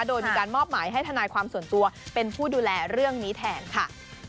โดยมีการมอบหมายให้ทนายความส่วนตัวเป็นผู้ดูแลเรื่องนี้แทนค่ะ